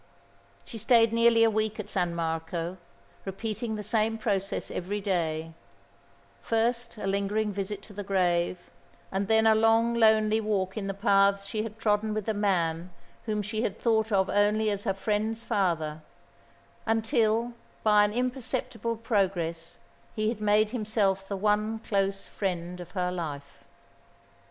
She stayed nearly a week at San Marco, repeating the same process every day; first a lingering visit to the grave, and then a long, lonely walk in the paths she had trodden with the man whom she had thought of only as her friend's father, until by an imperceptible progress he had made himself the one close friend of her life.